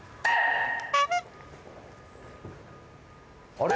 あれ？